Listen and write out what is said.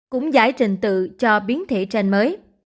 cũng giải trình tự cho biến thể gen mới